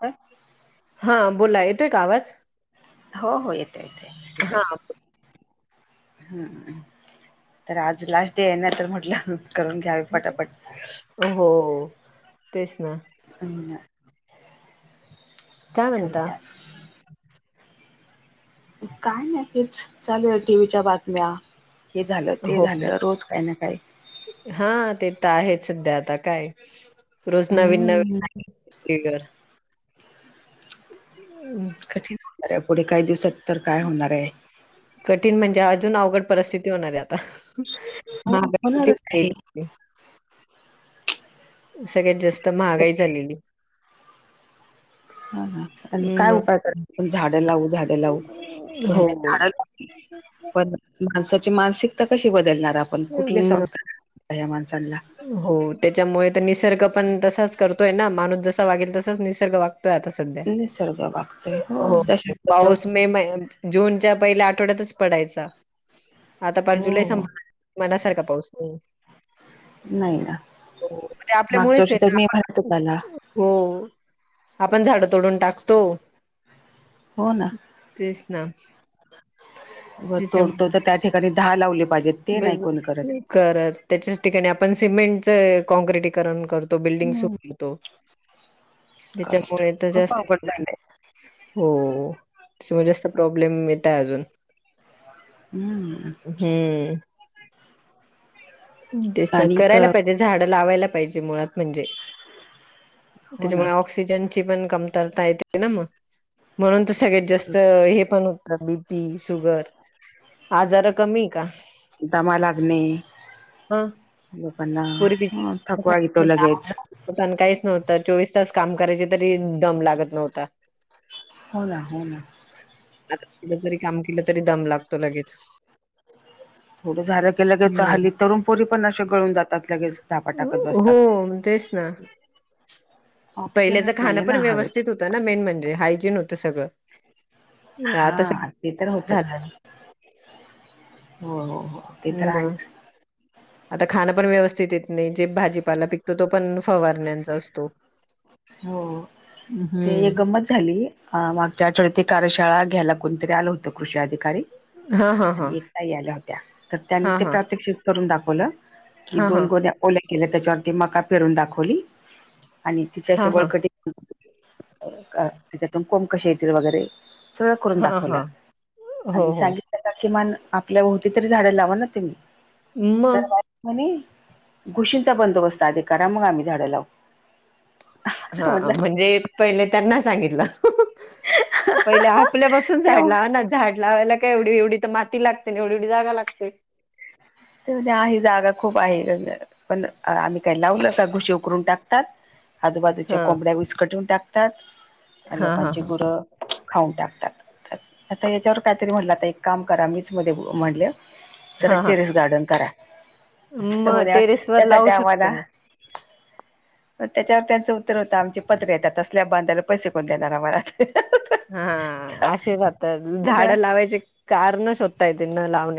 काय? हा बोला येतोय का आवाज. हो हो येतो. हा हम्म, तर आज लास्ट डे आहे ना. तर म्हटल करून घ्यावी पटापट. हो तेच ना. [unintelligible] काय म्हणता. करूया काय नाही हेच, चालूया टीव्हीच्या बातम्या. हे झाल. ते झाल. रोज काही ना काही हा ते तर आहे सध्या आता काय, रोज नवीन हम्म नवीन [unintelligible] हम्म कठीण होणार आहे. पुढे काही दिवसात तर काय होणार आहे. कठीण म्हणजे अजून अवघड परिस्थिती होणार आहे आता. हो महागाई किती होणारच होऊन आहे गेली. सगळ्यात जास्त महागाई झालेली. ह ह आणि काय मग उपाय करू आपण. झाड लावू. झाड लावू. हो. भल्या झाड लावू. पण माणसाची मानसिकता कशी बदलणार आपण. कुठले मग संस्कार या माणसांना. हो त्याच्यामुळे तर निसर्ग पण तसाच करतोय ना. माणूस जसा वागेल तसाच निसर्ग वागतोय आता. सध्या, निसर्ग वागतोय हो दशक पाऊस मे महि जूनच्या पहिल्या आठवड्यातच पडायचा. आता पार जुलै हो संप मना सारखा पाऊस नाही आहे. नाही ना हो, ते मागच्या आपल्यामुळेच वर्षी आहे तर ना. मी म्हणत आपण होताला हो, आपण झाड तोडून टाकतो. हो ना तेच ना जर तोडतो तर त्या ठिकाणी दहा लावले पाहिजेत. ते बई नाही ग, कोणी करत खरच त्याच्याच ठिकाणी आपण सिमेंटच कॉंक्रिटीकरण करतो. तो बिल्डिंग हम्म सुपीतो करत त्याच्यामुळे तर खूप जास्त अवघड झालंय हो त्यामुळे जास्त प्रॉब्लेम येताय अजून. हम्म हम्म तेस ना आणि करायला क पाहिजे. झाड लावायला पाहिजे मुळात म्हणजे. हो ना त्याच्यामुळे ऑक्सिजनची पण कमतरता येते ना मग. म्हणून तर सगळ्यात जास्त हे पण होत, बी पी, शुगर आजार कमी आहे का. दमा लागणे ह लोकांना पूर्वी ह थकवा येतो लगेच पताण काहीच नव्हत. चोवीस तास काम करायचे तरी दम लागत नव्हता. हो ना हो ना आता थोड जरी काम केल तरी दम लागतो लगेच. थोड झाल कि लगेच हं. हल्ली तरुण पोरी पण अशा गळून जातात. त्यात लगेच धापा टाकत हो, तेच ना. बसतात ऑक्सिजनच नाहीये ना हवेत तर ना मेन म्हणजे हायजीन होतं सगळं आता सगळं हा ते तर होतच झालं. हो हो हो ते तर मग आहेच आता खाण पण व्यवस्थित येत नाही जे भाजीपाला पिकतो तो पण फवारण्याचा असतो. हो ते एक हं. गंमत झाली अह मागच्या आठवड्यात ते कार्यशाळा घ्यायला कोणतरी आलं होत कृषी अधिकारी हां, हां, हां. आणि एक ताई आल्या होत्या तर त्यांनी हां, ते हां. प्रात्यक्षिक करून दाखवलं कि हां, दोन हां. गोन्या ओल केल त्याच्यावरती मका पेरून दाखवली. आणि तिचे अशे हां, हां. बळकटी तिच्यातून कोम कसे येतील वगैरे सगळं करून हां, दाखवलं हां. हो, आणि हो. सांगित तर त्या किमान आपल्या भोवती तरी झाडं लावा ना तुम्ही तर मग? [unintelligible] म्हणे घुशींचा बंदोबस्त आधी करा मग आम्ही झाड लावू. हा आता म्हणलं म्हणजे पहिले त्यांना सांगितलं पहिले आपल्यापासून तेव्हा झाड लावा ना झाड लावायला काय एवढी एवढी तर माती लागते एवढी एवढी जागा लागते तर ते म्हणते आहे जागा खूप आहे पण आम्ही काही लावलं का घुशी उकरून टाकतात आजूबाजूच्या हा कोंबड्या विस्कटून टाकतात आणि हा हा लोकांची हा गुरं खाऊन टाकतात आता याच्यावर कायतरी म्हटलं आता एक काम करा मीच मध्ये म्हणल सरळ हा हा टेरेस गार्डन करा मग त्या टेरेस वर त्यासाठी लावू शकत ना म त्याच्यावर त्यांचं उत्तर होतं आमचे पत्र येतात तसल्या बांधायला पैसे कोण देणार आम्हाला हा असे जात म्हटलं झाडं लावायचे कारण शोधताय ते न लावण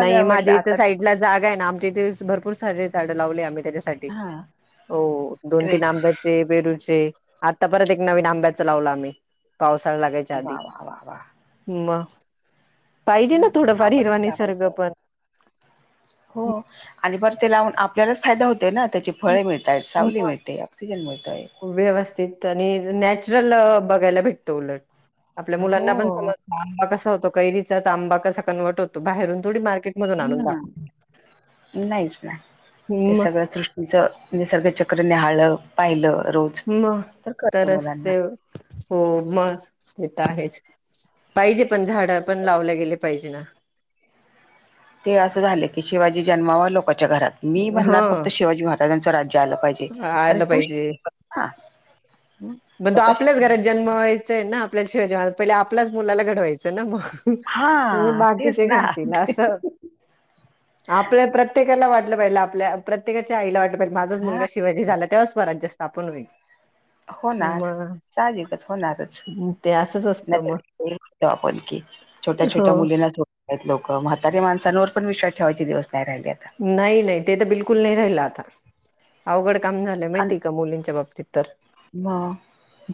नाही म्हटलं माझ्या इथं आता साईडला जागा आहे ना आमच्या इथे भरपूर सारे झाड लावले आम्ही त्याच्यासा ठी हा हो दोन तीन ग्रेट आंब्याची चे बेरूचे आता परत एक नवीन आंब्याच लावलं आम्ही पावसाळा लागायच्या आधी वा वा वा वा म पाहिजे ना थोडंफार आपणच हिरवानी लावायचं हो आणि बरं ते लावून आपल्यालाच फायदा होतोय ना त्याची फळे मिळताहेत, सावली म मिळते ऑक्सिजन मिळतय. व्यवस्थित आणि नॅचरल बघायला भेटत उलट आपल्या मुलांना पण हो समज आंबा कसा होतो कैरीचाच आंबा कसा कन्वर्ट होतो बाहेरून थोडी मार्केट मधून आणून हम्म दाखवतो. मग ज म्हणजे सगळ चक्र निहाळल, पाहिलं रो मग तरच ते हो म तेे तर आहेच पाहिजे पण झाडं पण लावले गेले पाहिजे ना ते असं झाले की शिवाजी जन्मावा लोकच्या घरात मी म्हणणार फक्त हं शिवाजी महाराजांचं राज्य आलं पाहिजे. ते, अरे आलं तू [unintelligible] पण तो स्वतः आपल्याच शिक घरात जन्म व्हायचाय ना आपल्याला शिव जवान पहिले आपल्याच मुलाला घडवायचं ना मग. म्हणजे हा तेच बाकीचे ना घडतील असं आपलं प्रत्येकाला वाटलं पाहिजे आपल्या प्रत्येकाच्या आईला वाटलं पाहिजे माझाच हा मुलगा शिवाजी झाला तेव्हा स्वराज्य स्थापन होईल. होणार मग साहजिकच होणारच ते असंच असतं मग नाहीतर [unintelligible] आपण की छोट्या हो छोट्या मुलींना तो आहेत लोक. म्हातारी माणसांवर पण विश्वास ठेवायचे दिवस नाही राहिले आता. नाही नाही ते तर बिलकुल नाही राहिलं आता. अवघड काम झालं आणि माहिती का मुलींच्या बाबतीत. तर म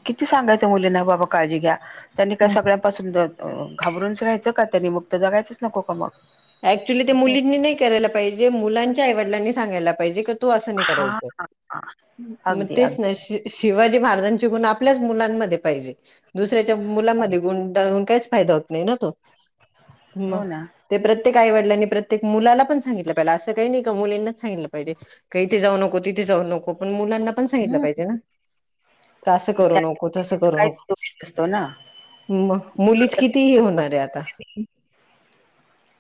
किती सांगायचं मुलींना बाबा काळजी घ्या! त्यांनी काय सगळ्या पासून द- अ- घाबरूनच राहायचं का! त्यानी मग त जगायचंच नको का मग! ऍक्च्युली ते मुलींनी नाही करायला पाहिजे, मुलांच्या आवडलांनी सांगायला पाहिजे का तू असं नाही खरं आहे हा एकदम! म अगदी टेच अगदी [unintelligible] शिवाजी महाराजांचे गुण आपल्याच मुलांमध्ये पाहिजे. दुसऱ्याच्या मुलामध्ये गुण [unintelligible] काहीच फायदा होत नाही ना तो! म हो ना ते प्रत्य- प्रत्येक आई वडिलांनी प्रत्येक मुलाला पण सांगितलं पाहिजे, अस काही नाही का मुलींनाच सांगितलं पाहिले. का इथे जाऊ नको, तिथे जाऊ नको. पण मुलांना पण सांगितलं हम्म पाहिजे नां, का असं करू नको, तसं करू नको. तो ना मग! मुलीच किती हे होणार आहे आता.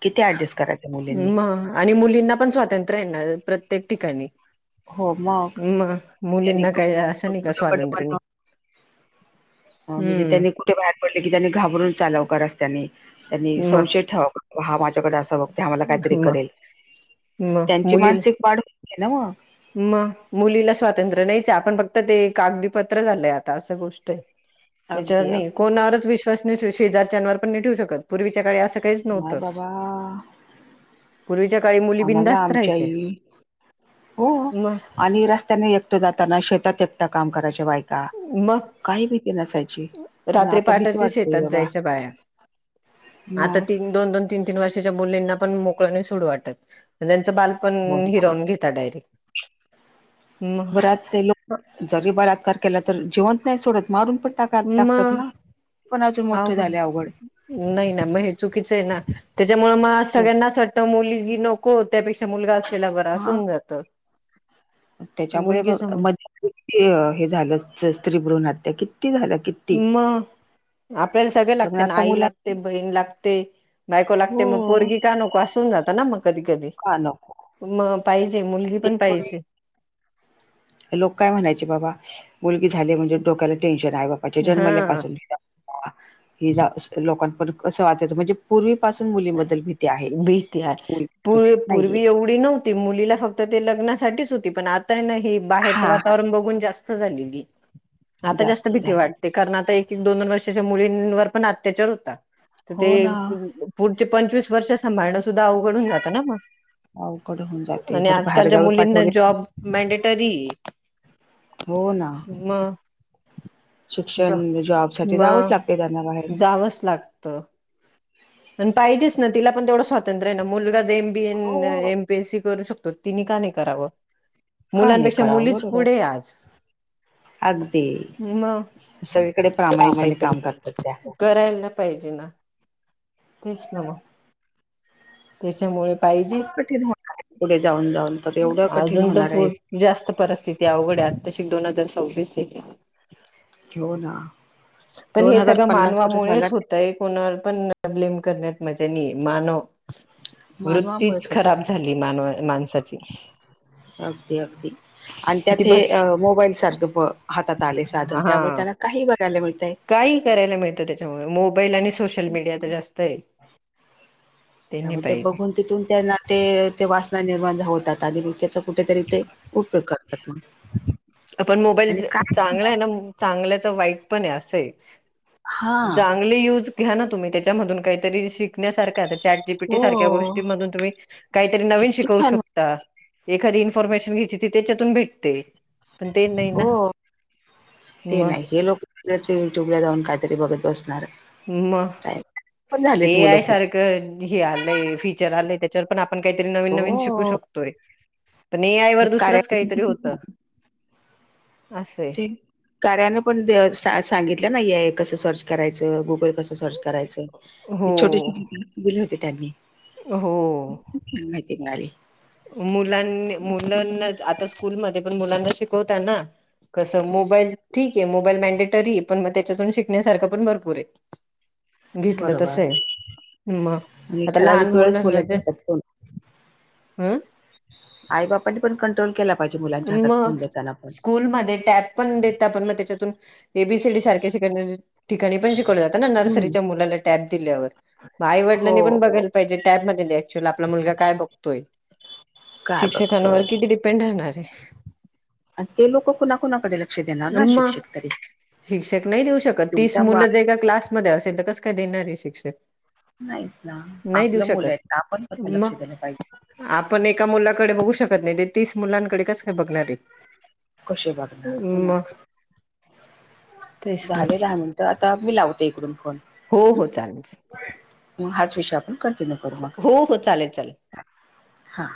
किती ॲडजस्ट करायच मुलींनी! मग आणि मुलींना पण स्वातंत्र्य आहे ना प्रत्येक ठिकाणी. हो म! मग मुलींना काही असं नाही का स्वातंत्र्य नाही. हा म्हणजे हम्म त्यांनी कुठे बाहेर पडले की त्यांनी घाबरून चालाव का रस्त्याने? त्यांनी मग संशय ठेवा हा माझ्याकडे असा बघतोय, हा मला काहीतरी मग करेल. मग त्यांची मुली मानसिक वाढ [unintelligible] ना मग. मग मुलीना स्वातंत्र्य नाहीच आहे. आपण फक्त ते कागदीपत्र झालंय आता असं गोष्ट आहे. याच्यावर अगदी नाही अगदी कोणावरच विश्वास नाही ठेऊ, शेजारच्यानवर पण नाही ठेऊ शकत, पूर्वीच्या काळी असं- - माय बाबा! पूर्वीच्या काळी मु आम्हाला आमची आई हो, मग आणि रस्त्याने एकट जाताना, शेतात एकट काम करायचे बाय का मग काही भीती नसाय रात्री पाटाच्या शेतात जायच्या बाया, आता मग तीन- दोन दोन तीन तीन वर्षाच्या मुलींना पण मोकळ नाही सोडू वाटत, म त्यांच बाल- पण हो. हिरवून घेता डायरेक, म! [unintelligible] जरी बलात्कार केला तर जिवंत नाही सोडत, मारून पण टाका टाकतात मग ना, ते पण अजून मोठ झालय अवघड. नाही ना, मग हे चुकीच आहे ना? त्याच्यामुळे मग असं खूप सगळ्यांनाच वाटत मुलगी नकोच त्यापेक्षा मुलगा असलेला बरा अस हा होऊन जात. त्याच्यामुळे म [unintelligible] हे झालं स्त्री भ्रूण हत्या किती झाल्या कित मग आपल्याला सगळे त्यामुळे लागते ना, आता आई मुला लागते, बहीण लागते. बायको लागते मग हो पोरगी का नको? अस होऊन जातं ना मग. कधी कधी का नको मग पाहिजे, मुलगी पण पाहिजे. लोक काय म्हणायचे बाबा मुलगी झाली म्हणजे डोक्याला टेन्शन आई बापाच्या हा जन्मल्यापासून! हिला अस लोकांपन कसं वाचवायचं म्हणजे पूर्वी पाासून मुलीन बद्दल भीती आहे. भीती [unintelligible] नाहीये. ते मुलीला फक्त ते लग्नासाठीच होती, पण आता आहे ना हे बाहेरचं हा हा वातावरण बघून जास्त [unintelligible] आता जास्त भीती वाटते. कारण आता एक एक, दोन दोन वर्षाच्या मुलींवर पण अत्याचार होतात. तर ते हो ना पुढचे पंचवीस वर्ष सांभाळणं सुद्धा अवघडून जातं ना मग! अवघड होऊन जाते आणि बरं आजकालच्या बाहेरगावी मुलींना पाठवले जॉब मेनडेटरी. हो ना ज शिक्षण जॉब साठी म जावंच लागते त्यांना बाहेर जावंच लागत पाहिजेच ना तिला पण तेवढं स्वातंत्र्य आहे ना मुलगा ज एम बी एन ए! हो एमपीएससी करू शकतो तिने का नाही करावं का नाही मुलांपेक्षा करावं मुलीच बरोबर पुढे आहे आज! अगदी मग सगळीकडे कामा प्रामाणिकपणे काम करतात त्या [unintelligible] करायला पाहिजे ना! तेच ना मग त्याच्यामुळे पाहिजे खूप कठीण होणार आहे पुढे जाऊन जाऊन तर एवढं कठीण अजून तर होणार आहे पुढे जास्त परिस्थिती अवघड आहे आताशी दोन हजार सव्वीस आहे. हो ना पण दोन हे हजार सगळं पन्नास पर्यंत मला मानवामुळेच होत. ताई कोणावर पण ब्लेम करण्यात मजा नाही मानव. वृत्तीच मानवामुळेच खराब होतं झाली मानवा माणसाची! अगदी अगदी आणि ती त्यात हे बस अ मोबाईल सारखं हातात आले साधन त्यामुळे हा त्याना! काही बघायला मिळतय. काही करायला मिळतं त्याच्यामुळे मोबाईल आणि सोशल मीडिया तर जास्त ये. त्यामध्ये बघून तिथून त्यांना ते ते वासना निर्माण होतात आणि मग त्याच कुठेतरी ते उपयोग करतात. पण मोबाईल आणि काय चांगला आहे ना चांगलचं वाईट पण आहे असं आहे. हा चांगली यूज घ्या ना तुम्ही त्याच्यामधून काहीतरी शिकण्यासारख आहे आता चॅट जीपीटी सारख्या हो गोष्टीमधून तुम्ही काहीतरी नवीन किती शिकवू छान शक ता एखादी इन्फॉर्मेशन घ्यायची ती त्याच्यातून भेटते. पण ते नाही हो ना ते मग नाही हे लोक [unintelligible] युट्यूब ला जाऊन काहीतरी बघत बसणार? मग काय पण झालेत एआय मुलं खूप सारखं हे आलंय फीचर आलंय त्याच्यावर पण आपण काहीतरी नवीन नवीन शिकू हो शकतोय. पण हे एआयवर दुसरंच कार्या काहीतरी होत असंय ते कार्याने पण सांगितलं ना एआय कसं सर्च करायचं गुगल कसं सर्च! करायचं ते छोटे हो दिले होते त्यांनी हो माहिती मिळाली मुलां मुलांना आता स्कूलमध्ये पण मुलांना शिकवताना. कसं मोबाईल ठीक आहे मोबाईल मॅनडेटरी पण मग त्याच्यातून शिकण्यासारखं पण भरपूर आहे. घेतलं तस बरोबर मग आणि आता लहान ठराविक वेळेस मुलाना मुलांच्या जे हातात फोन अं आई बापानी पण कंट्रोल केला पाहिजे. मुलांच्या हातात मग फोन देताना पण स्कूलमध्ये टॅब पण देता पण मग त्याच्यातून एबीसीडी सारख्या शिकाय ठिकाणी पण शिकवलं जातं ना हम्म नर्सरीच्या मुलाला टॅब दिल्यावर मग हो आईवडिंनी पण हो बघायला. पाईजे टॅब मधे ते अच्युअल आपला मुलगा काय बगतोय? काय बघतोय शिक्षकांवरती किती डेंपे पेंढ राहणार आहे. आणि ते लोक कुणा कुणाकडे अ मग शिक्षक नाही देऊ शकत तीस तुमचा वा मुलं जे का क्लास मधे असेल तर कस काय देणारय शिक्षक. नाहीच ना नाही देऊ आपलं मुलं शकत हाय आपण स्वतः लक्ष मग दिलं पाहिजे. आपण एका मुलाकडे बघू शकत नाही ते तीस मुलांकडे कस काय बघणार आहे कशे बघणार हू मग तेच ना झाले दहा मिनटं आता मी लावते इकडून फोन हो हो चालते म हाच विषय आपण कंटिन्यू करू हो हो चालेल चालेल मग हा